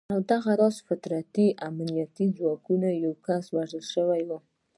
او دغه راز د قطري امنیتي ځواکونو یو کس وژل شوی و